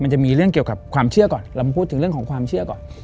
ตั้งเกี่ยวกับความเชื่อก่อนเราพูดถึงเรื่องของความเชื่อก่อน